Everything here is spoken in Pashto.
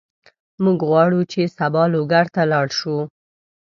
موږ غواړو چې سبا لوګر ته لاړ شو.